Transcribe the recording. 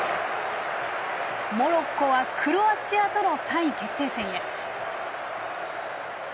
モロッコはクロアチアとの３位決定戦へ。